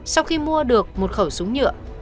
sau khi mua được một khẩu súng nhựa